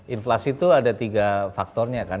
inflasi itu ada tiga faktornya kan